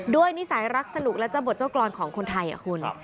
ด้วยนิสัยรักสนุกและเจ้าบทเจ้ากรณ์ของคนไทย